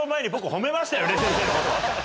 先生のこと。